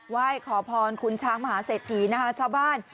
ไหว้ขอพรคุณช้างมหาเสถีชาวบ้าน